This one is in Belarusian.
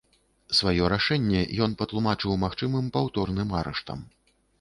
Сваё рашэнне ён патлумачыў магчымым паўторным арыштам.